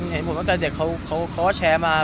เห็นผมตั้งแต่เด็กเขาก็แชร์มา